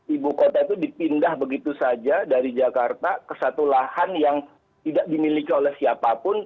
ibu kota itu dipindah begitu saja dari jakarta ke satu lahan yang tidak dimiliki oleh siapapun